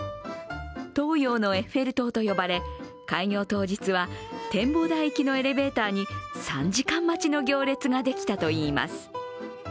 東洋のエッフェル塔と呼ばれ開業当日は、展望台行きのエレベーターに３時間待ちの行列ができたといいます。